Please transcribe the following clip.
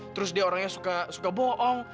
terus dia orangnya suka bohong